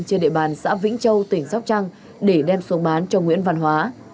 trên địa bàn xã vĩnh châu tỉnh sóc trăng để đem xuống bán cho nguyễn văn hóa